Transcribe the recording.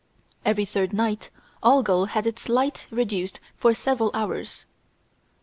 Every third night Algol has its light reduced for several hours.